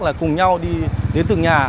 là cùng nhau đi đến từng nhà